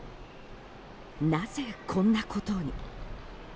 なぜこんなことに？